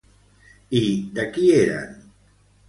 I de qui eren?